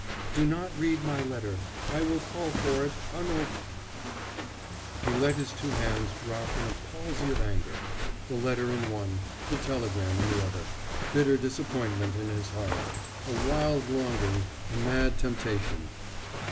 "Do not read my letter. I will call for it unopened...." He let his two hands drop in a palsy of anger, the letter in one, the telegram in the other bitter disappointment in his heart, a wild longing, a mad temptation....